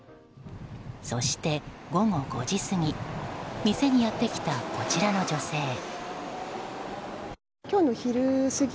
そして、午後５時過ぎ店にやってきた、こちらの女性。